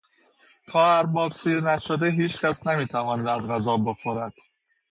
تا ارباب سیر نشده هیچکس نمیتواند از غذا بخورد.